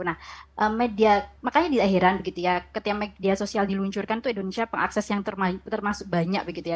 nah media makanya tidak heran begitu ya ketika media sosial diluncurkan itu indonesia pengakses yang termasuk banyak begitu ya